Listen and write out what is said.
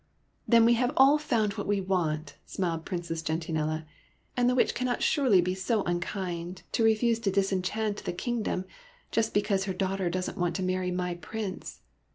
" Then we have all found what we want," smiled Princess Gentianella, *'and the Witch cannot surely be so unkind as to refuse to dis enchant the kingdom, just because her daugh ter does n't want to marry my Prince